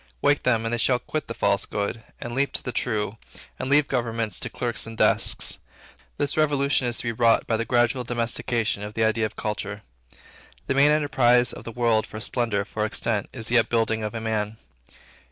Wake them, and they shall quit the false good, and leap to the true, and leave governments to clerks and desks. This revolution is to be wrought by the gradual domestication of the idea of Culture. The main enterprise of the world for splendor, for extent, is the upbuilding of a man.